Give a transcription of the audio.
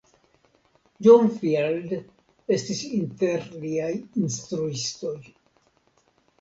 John Field estis inter liaj instruistoj.